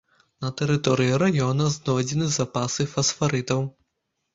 На тэрыторыі раёна знойдзены запасы фасфарытаў.